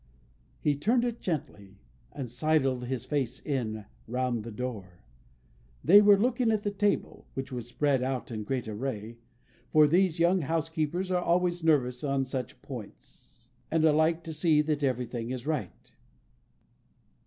He turned it gently, and sidled his face in, round the door. They were looking at the table (which was spread out in great array); for these young housekeepers are always nervous on such points, and like to see that everything is right.